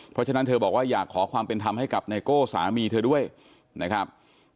เพราะฉะนั้นเธอบอกว่าอยากขอความเป็นธรรมให้กับไนโก้สามีเธอด้วยนะครับ